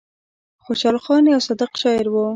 خوشال خان يو صادق شاعر وو ـ